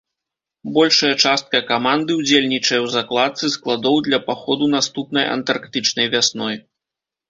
Большая частка каманды ўдзельнічае ў закладцы складоў для паходу наступнай антарктычнай вясной.